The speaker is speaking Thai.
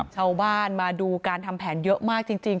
ชาวบ้านมาดูการทำแผนเยอะมากจริง